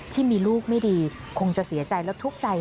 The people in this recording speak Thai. ที่มีลูกไม่ดีคงจะเสียใจและทุกข์ใจ